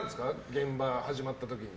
現場で始まった時に。